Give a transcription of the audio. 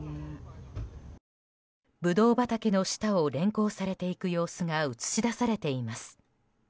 ブドウ畑の下を連行されていく様子が映し出されています。